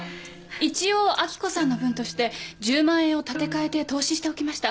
一応明子さんの分として１０万円を立て替えて投資しておきました。